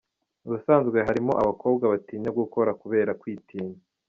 Ubusanzwe hari imirimo abakobwa batinya gukora kubera kwitinya.